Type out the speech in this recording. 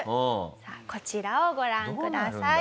さあこちらをご覧ください。